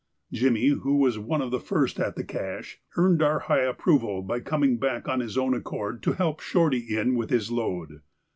Jimmy, who was one of the first at the cache, earned our high approval by coming back of his own accord to help Shorty in with his load.